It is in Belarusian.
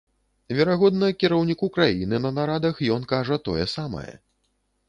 Верагодна, кіраўніку краіны на нарадах ён кажа тое самае.